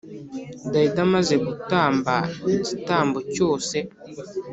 Dawidi amaze gutamba igitambo cyose